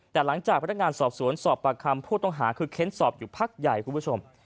แต่หลังจากพนักงานสอบสวนสอบปากคำผู้ต้องหาคือเค้นสอบอยู่พักใหญ่คุณผู้ชม